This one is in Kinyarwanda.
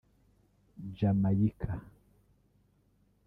Jamaica